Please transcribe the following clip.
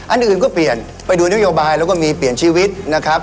อันอื่นก็เปลี่ยนไปดูนโยบายแล้วก็มีเปลี่ยนชีวิตนะครับ